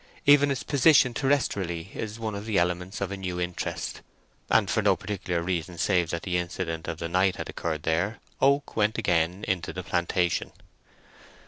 Even its position terrestrially is one of the elements of a new interest, and for no particular reason save that the incident of the night had occurred there Oak went again into the plantation.